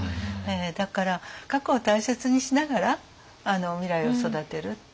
だから過去を大切にしながら未来を育てるっていう。